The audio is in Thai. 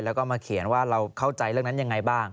แล้วก็มาเขียนว่าเราเข้าใจเรื่องนั้นยังไงบ้าง